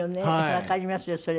わかりますよそれ。